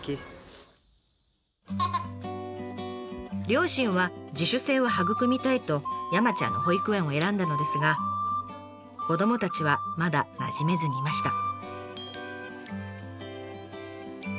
両親は自主性を育みたいと山ちゃんの保育園を選んだのですが子どもたちはまだなじめずにいました。